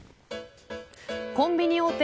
コンビニ大手